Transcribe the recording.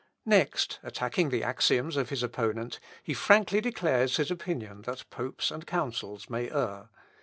Next, attacking the axioms of his opponent, he frankly declares his opinion that popes and councils may err.